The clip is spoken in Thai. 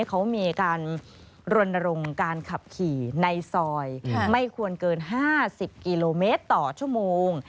เขามีการรณรงค์การขับขี่ในซอยไม่ควรเกิน๕๐กิโลเมตรต่อชั่วโมง